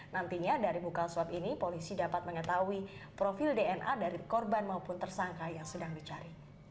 nantinya dari bukal swab ini polisi dapat mengetahui profil dna dari korban maupun tersangka yang sedang dicari